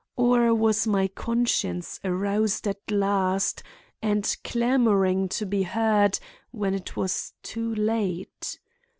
Or was my conscience aroused at last and clamoring to be heard when it was too late?